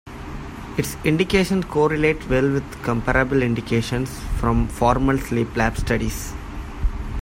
Its indications correlate well with comparable indications from formal sleep lab studies.